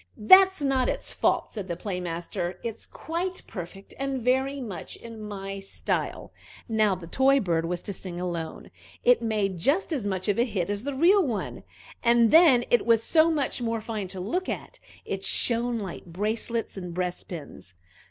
"That's not its fault," said the Play master: "it's quite perfect, and very much in my style." Now the toy bird was to sing alone. It made just as much of a hit as the real one, and then it was so much more fine to look at it shone like bracelets and breastpins.